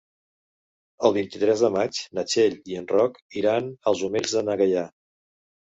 El vint-i-tres de maig na Txell i en Roc iran als Omells de na Gaia.